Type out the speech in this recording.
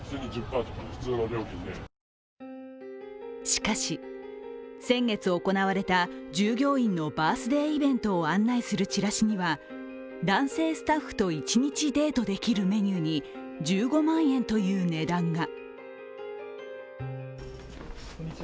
しかし、先月行われた従業員のバースデーイベントを案内するチラシには男性スタッフと一日デートできるメニューに１５万円という値段が。